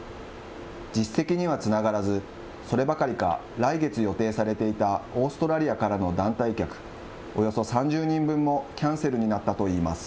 実績にはつながらず、そればかりか、来月予定されていたオーストラリアからの団体客およそ３０人分もキャンセルになったといいます。